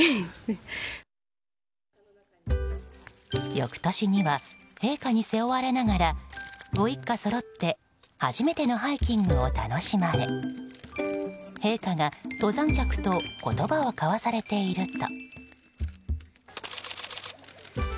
翌年には陛下に背負われながらご一家そろって初めてのハイキングを楽しまれ陛下が登山客と言葉を交わされていると。